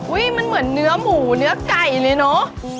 มันเหมือนเนื้อหมูเนื้อไก่เลยเนอะ